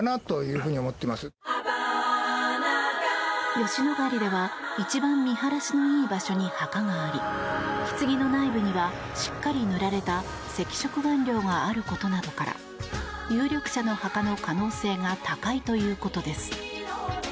吉野ヶ里では一番見晴らしのいい場所に墓がありひつぎの内部にはしっかり塗られた赤色顔料があることから有力者の墓の可能性が高いということです。